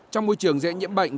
trong môi trường dễ nhiễm bệnh